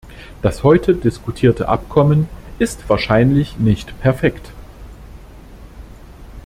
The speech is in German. Das heute diskutierte Abkommen ist wahrscheinlich nicht perfekt.